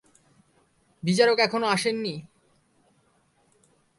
বিচারক এখনও আসেনি?